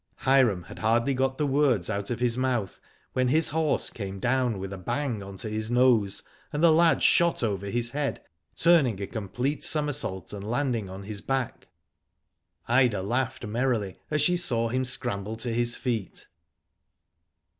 '* Hiram had hardly got the words out of his mouth, when his horse came down with a bang on to his nose, and the lad shot over his head, turning a complete somersault, ^nd landing on his back. Ida laughed merrily as she saw him scramble to his feet.